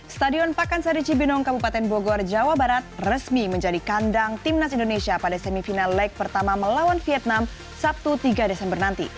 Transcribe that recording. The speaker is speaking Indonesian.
stadion pakansari cibinong kabupaten bogor jawa barat resmi menjadi kandang timnas indonesia pada semifinal leg pertama melawan vietnam sabtu tiga desember nanti